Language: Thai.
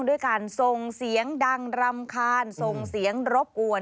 ด้วยการส่งเสียงดังรำคาญส่งเสียงรบกวน